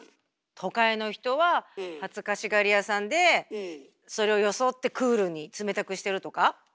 都会の人は恥ずかしがり屋さんでそれを装ってクールに冷たくしてるとか？